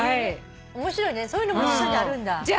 面白いねそういうのも辞書にあるんだ。